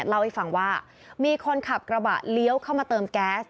เล่าให้ฟังว่ามีคนขับกระบะเลี้ยวเข้ามาเติมแก๊ส